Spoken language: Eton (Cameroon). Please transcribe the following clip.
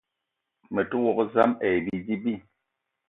Me te wok zam ayi bidi bi.